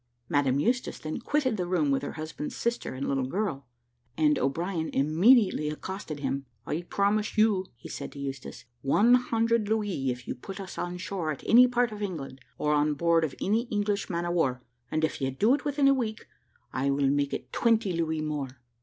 Madame Eustache then quitted the room with her husband's sister and little girl, and O'Brien immediately accosted him. "I promise you," said he to Eustache, "one hundred louis if you put us on shore at any part of England, or on board of any English man of war; and if you do it within a week, I will make it twenty louis more."